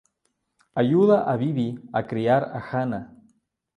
Ayuda a Bibi a criar a Hana.